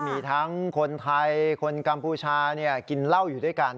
มีทั้งคนไทยคนกัมพูชากินเหล้าอยู่ด้วยกัน